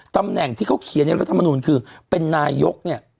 ตำแหน่งที่เขาเขียนในรัฐมนุนคือเป็นนายกเนี่ย